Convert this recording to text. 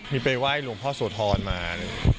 มีไปไหว้หลวงพ่อโสธรมา